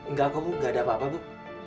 nggak kamu nggak ada apa apa bu